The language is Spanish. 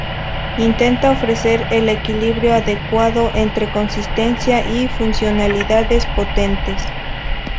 Intenta ofrecer el equilibrio adecuado entre consistencia y funcionalidades potentes.